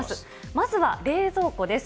まずは冷蔵庫です。